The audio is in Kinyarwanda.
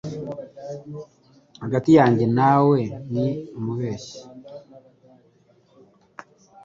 Hagati yawe nanjye, ni umubeshyi.